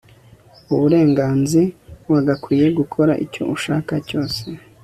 uburenganzi wagakwiye gukora icyo ushaka cyose